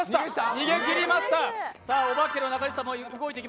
逃げきりました。